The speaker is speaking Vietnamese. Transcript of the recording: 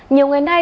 nhiều ngày nay